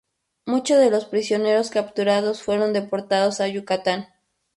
Muchos de los prisioneros capturados fueron deportados a Yucatán.